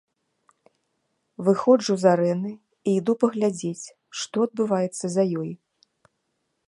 Выходжу з арэны і іду паглядзець, што адбываецца за ёй.